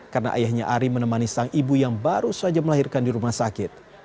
karena ayahnya ari menemani sang ibu yang baru saja melahirkan di rumah sakit